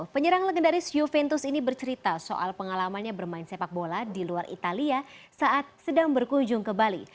penyerang legendaris juventus ini bercerita soal pengalamannya bermain sepak bola di luar italia saat sedang berkunjung ke bali